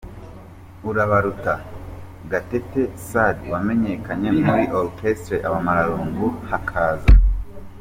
na Urabaruta, Gatete Sadi wamenyekanye muri Orchestre Abamararungu, hakaza.